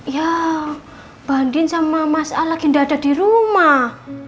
ya bandin sama mas al lagi gak ada di rumah